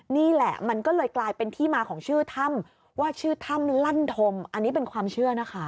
นี่แหละมันก็เลยกลายเป็นที่มาของชื่อถ้ำว่าชื่อถ้ำลั่นธมอันนี้เป็นความเชื่อนะคะ